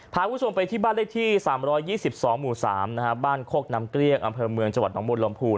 พาคุณผู้ชมไปที่บ้านเลขที่๓๒๒หมู่๓บ้านโคกน้ำเกลี้ยงอำเภอเมืองจังหวัดหนองมูลลมพูน